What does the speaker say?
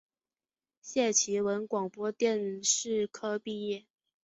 谢其文广播电视科毕业。